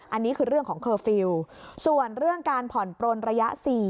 อันนี้คือเรื่องของเคอร์ฟิลล์ส่วนเรื่องการผ่อนปลนระยะ๔